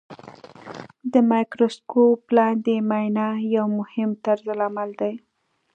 د مایکروسکوپ لاندې معاینه یو مهم طرزالعمل دی.